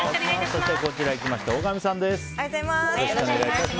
そして、大神さんです。